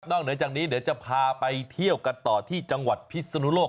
เหนือจากนี้เดี๋ยวจะพาไปเที่ยวกันต่อที่จังหวัดพิศนุโลก